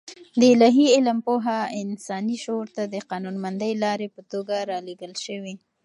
د الاهي علم پوهه انساني شعور ته د قانونمندې لارې په توګه رالېږل شوې.